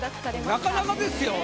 なかなかですよ。